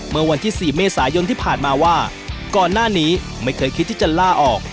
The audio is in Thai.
เมื่อวันที่๔เมษายนที่ผ่านมาว่าก่อนหน้านี้ไม่เคยคิดที่จะล่าออก